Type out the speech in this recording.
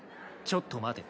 ちょっと待て！